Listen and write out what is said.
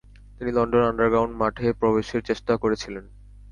তিনি London underground মাঠে প্রবেশের চেষ্টা করেছিলেন।